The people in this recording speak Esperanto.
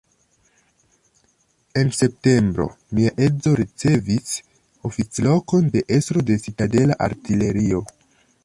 En septembro mia edzo ricevis oficlokon de estro de citadela artilerio.